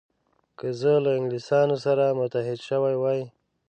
که زه له انګلیسانو سره متحد شوی وای.